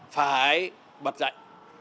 phải bật dậy